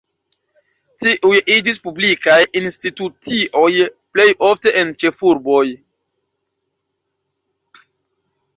Tiuj iĝis publikaj institucioj, plej ofte en ĉefurboj.